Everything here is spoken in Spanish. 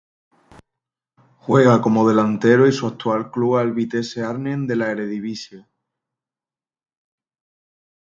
Juega como delantero y su actual club es el Vitesse Arnhem de la Eredivisie.